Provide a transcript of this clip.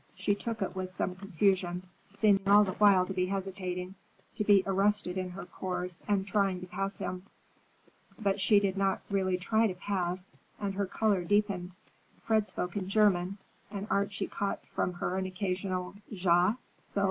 She took it with some confusion, seeming all the while to be hesitating, to be arrested in her course and trying to pass him. But she did not really try to pass, and her color deepened. Fred spoke in German, and Archie caught from her an occasional _Ja?